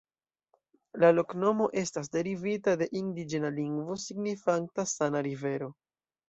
La loknomo estas derivita de indiĝena lingvo signifanta: "sana rivero".